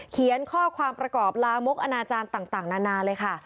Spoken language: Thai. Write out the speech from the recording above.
เขียนข้อความประกอบลามกอนาจารย์ต่างนานาเลยค่ะ